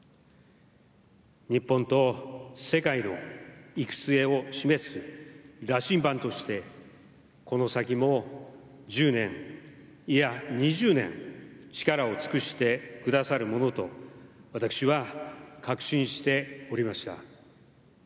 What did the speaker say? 日本と世界の生末を示す羅針盤としてこの先も１０年、いや２０年力を尽くしてくださるものと私は確信しておりました。